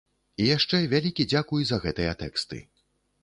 І яшчэ вялікі дзякуй за гэтыя тэксты.